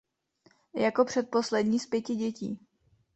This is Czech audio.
Jako předposlední z pěti dětí.